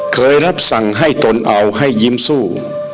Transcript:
เคยรับสั่งให้ตนเอาให้ยิ้มสู้